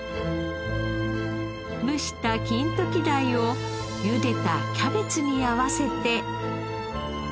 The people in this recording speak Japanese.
蒸したキントキダイを茹でたキャベツに合わせて。